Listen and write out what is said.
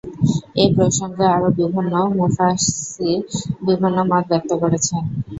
এ প্রসংগে আরো বিভিন্ন মুফাসসির বিভিন্ন মত ব্যক্ত করেছেন।